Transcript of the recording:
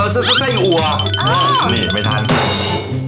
สุดใส่หัว